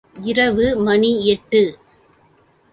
இரவு மணி எட்டு.